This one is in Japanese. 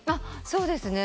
そうですね。